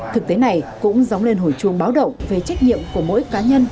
thực tế này cũng giống lên hồi chuông báo động về trách nhiệm của mỗi cá nhân